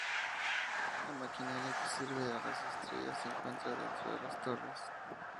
La maquinaria que sirve a las estrellas se encuentra dentro de las torres.